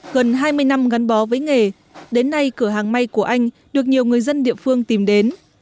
gần hai mươi năm gắn bó với nghề đến nay cửa hàng may của anh được nhiều người dân địa phương tìm đến